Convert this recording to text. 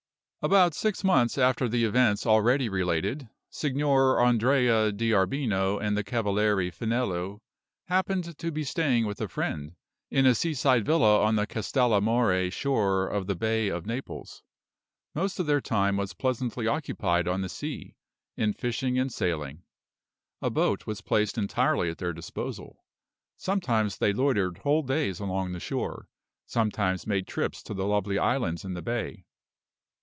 About six months after the events already related, Signor Andrea D'Arbino and the Cavaliere Finello happened to be staying with a friend, in a seaside villa on the Castellamare shore of the bay of Naples. Most of their time was pleasantly occupied on the sea, in fishing and sailing. A boat was placed entirely at their disposal. Sometimes they loitered whole days along the shore; sometimes made trips to the lovely islands in the bay.